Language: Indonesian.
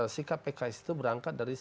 sikap pks itu berangkat dari